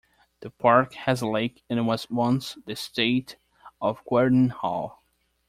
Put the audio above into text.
The park has a lake and was once the estate of Cuerden Hall.